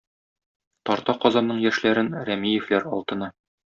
Тарта Казанның яшьләрен Рәмиевләр алтыны.